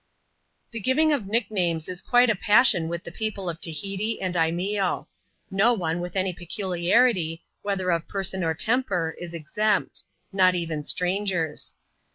The giving of nicknames is quite a passion with the people of Tahiti and Imeeo. No one, with any peculiarity, whether of person or temper, is exempt ; not even strangers.